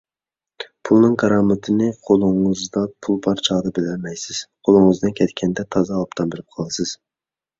پۇلنىڭ كارامىتىنى قولىڭىزدا پۇل بار چاغدا بىلەلمەيسىز، قولىڭىزدىن كەتكەندە تازا ئوبدان بىلىپ قالىسىز.